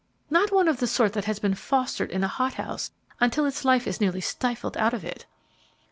Not one of the sort that has been fostered in a hot house until its life is nearly stifled out of it."